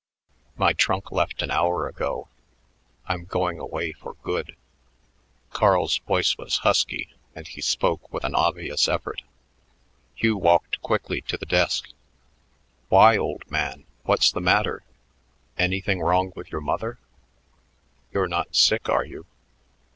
"My trunk left an hour ago. I'm going away for good." Carl's voice was husky, and he spoke with an obvious effort. Hugh walked quickly to the desk. "Why, old man, what's the matter? Anything wrong with your mother? You're not sick, are you?"